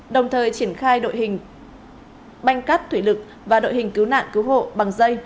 đồng thời triển khai đội hình banh cắt thủy lực và đội hình cứu nạn cứu hộ bằng dây